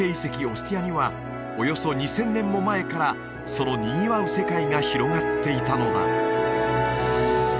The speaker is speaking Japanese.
オスティアにはおよそ２０００年も前からそのにぎわう世界が広がっていたのだ